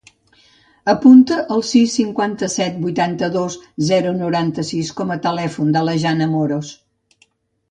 Apunta el sis, cinquanta-set, vuitanta-dos, zero, noranta-sis com a telèfon de la Jana Moros.